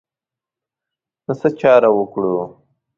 نو څه چاره وکړو.